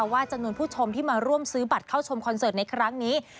ว่าจำนวนผู้ชมที่มาร่วมซื้อบัตรเข้าชมคอนเสิร์ตในครั้งนี้